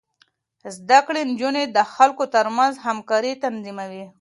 زده کړې نجونې د خلکو ترمنځ همکاري تنظيموي.